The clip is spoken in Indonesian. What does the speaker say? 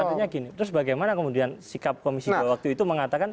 artinya gini terus bagaimana kemudian sikap komisi dua waktu itu mengatakan